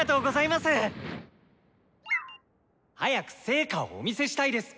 「早く成果をお見せしたいです！